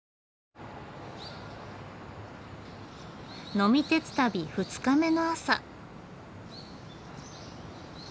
呑み鉄旅二日目の朝。